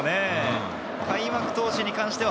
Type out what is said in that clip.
開幕投手に関しては、